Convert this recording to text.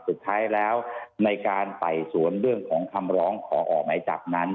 สุดท้ายแล้วในการไต่สวนเรื่องของคำร้องขอออกหมายจับนั้น